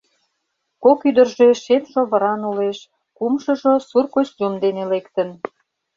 Кок ӱдыржӧ шем шовыран улеш, кумшыжо сур костюм дене лектын.